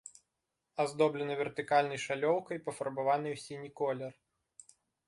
Аздоблена вертыкальнай шалёўкай, пафарбаванай у сіні колер.